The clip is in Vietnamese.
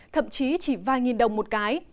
thậm chí chỉ vài nghìn đồng một cái